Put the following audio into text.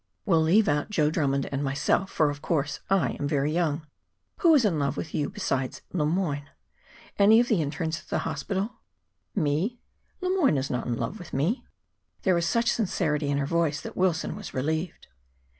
"We'll leave out Joe Drummond and myself for, of course, I am very young. Who is in love with you besides Le Moyne? Any of the internes at the hospital?" "Me! Le Moyne is not in love with me." There was such sincerity in her voice that Wilson was relieved.